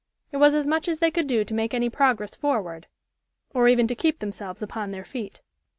It was as much as they could do to make any progress forward, or even to keep themselves upon their feet.